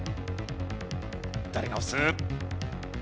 誰が押す？